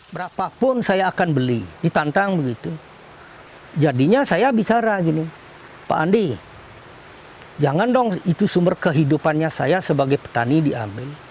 berapapun saya akan beli ditantang begitu jadinya saya bicara gini pak andi jangan dong itu sumber kehidupannya saya sebagai petani diambil